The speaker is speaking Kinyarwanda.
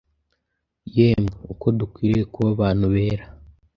yemwe uko dukwiriye kuba abantu bera,